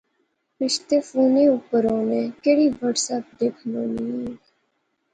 رشتے فونے اُپر ہونے کڑی واٹس ایپ دیکھنونی